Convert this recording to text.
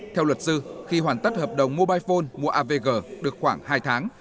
theo luật sư khi hoàn tất hợp đồng mobile phone mua avg được khoảng hai tháng